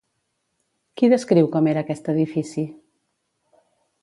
Qui descriu com era aquest edifici?